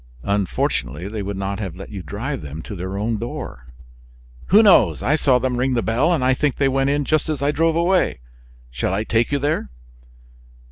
"Unfortunately, they would not have let you drive them to their own door." "Who knows? I saw them ring the bell, and I think they went in just as I drove away. Shall I take you there?"